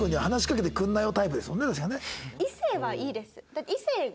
異性はいいです。